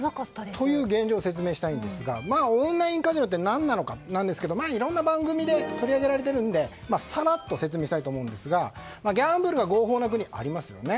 という現状を説明したいんですがオンラインカジノって何なのかなんですがいろんな番組で取り上げられているのでさらっと説明したいんですがギャンブルが合法な国ありますよね。